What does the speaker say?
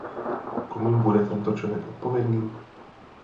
Komu bude tento člověk odpovědný?